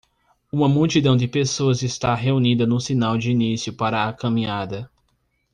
Uma multidão de pessoas está reunida no sinal de início para a caminhada.